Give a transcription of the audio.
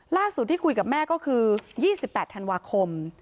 ล่าสุดที่คุยกับแม่ก็คือ๒๘ธันวาคม